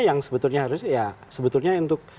yang sebetulnya harus ya sebetulnya untuk